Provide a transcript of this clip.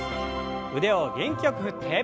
腕を元気よく振って。